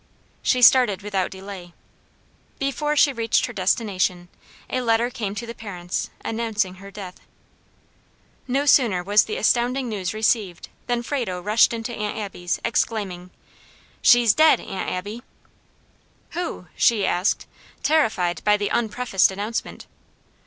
She started without delay. Before she reached her destination, a letter came to the parents announcing her death. No sooner was the astounding news received, than Frado rushed into Aunt Abby's, exclaiming: "She's dead, Aunt Abby!" "Who?" she asked, terrified by the unprefaced announcement.